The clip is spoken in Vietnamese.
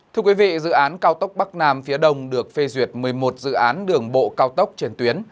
thưa quý vị dự án cao tốc bắc nam phía đông được phê duyệt một mươi một dự án đường bộ cao tốc trên tuyến